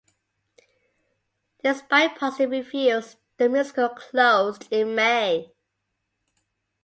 Despite positive reviews, the musical closed in May.